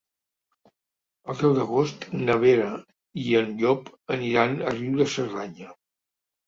El deu d'agost na Vera i en Llop aniran a Riu de Cerdanya.